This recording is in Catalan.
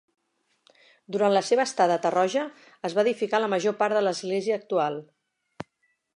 Durant la seva estada a Tarroja es va edificar la major part de l'església actual.